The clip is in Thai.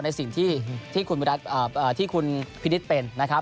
ในสิ่งที่คุณพินิษฐ์เป็นนะครับ